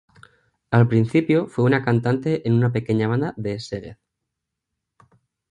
Al principio fue una cantante en una pequeña banda de Szeged.